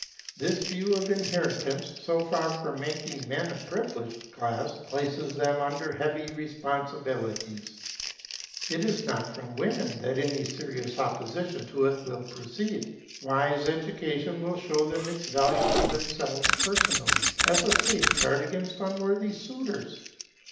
This view of inheritance, so far from making men a privileged class, places them under heavy responsibilities. It is not from women that any serious opposition to it will proceed. Wise education will show them its value to themselves personally, as a safeguard against unworthy suitors.